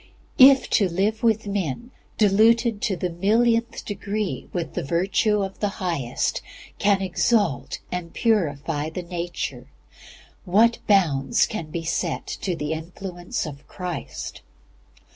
If to live with men, diluted to the millionth degree with the virtue of the Highest, can exalt and purify the nature, what bounds can be set to the influence of Christ?